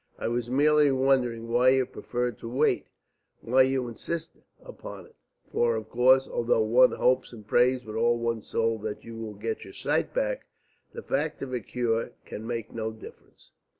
I was merely wondering why you preferred to wait, why you insist upon it. For, of course, although one hopes and prays with all one's soul that you will get your sight back, the fact of a cure can make no difference."